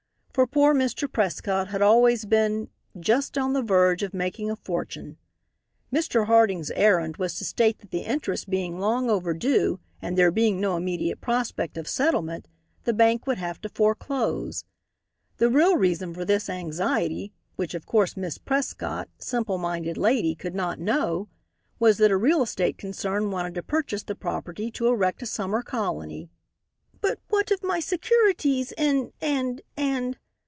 For poor Mr. Prescott had always been "just on the verge of making a fortune." Mr. Harding's errand was to state that the interest being long overdue and there being no immediate prospect of settlement the bank would have to foreclose. The real reason for this anxiety, which of course Miss Prescott, simple minded lady, could not know, was, that a real estate concern wanted to purchase the property to erect a summer colony. "But what of my securities in and and